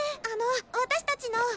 あの私たちの。